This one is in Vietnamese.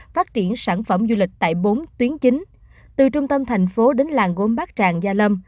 phát triển sản phẩm du lịch tại bốn tuyến chính từ trung tâm thành phố đến làng gốm bát tràng gia lâm